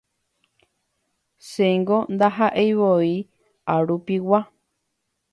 Chéngo ndahaʼeivoi arupigua”.